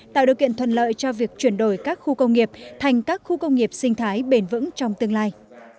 tạo điều kiện thuận lợi cho việc chuyển đổi các khu công nghiệp thành các khu công nghiệp sinh thái bền vững trong tương lai